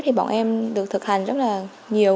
thì bọn em được thực hành rất là nhiều